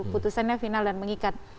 putusannya final dan mengikat